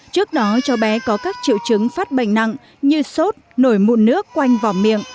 trước đó cho bé có các triệu chứng phát bệnh nặng như sốt nổi mụn nước quanh vòng miệng